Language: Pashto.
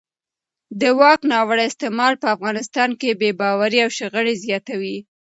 د واک ناوړه استعمال په افغانستان کې بې باورۍ او شخړې زیاتوي